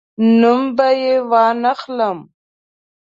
نوم به یې وانخلم.